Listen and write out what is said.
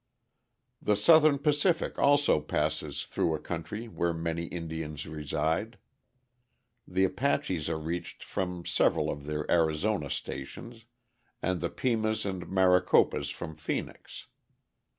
The Southern Pacific also passes through a country where many Indians reside. The Apaches are reached from several of their Arizona stations, and the Pimas and Maricopas from Phœnix.